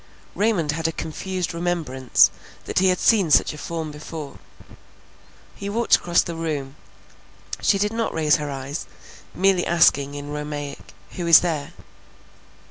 Raymond had a confused remembrance that he had seen such a form before; he walked across the room; she did not raise her eyes, merely asking in Romaic, who is there?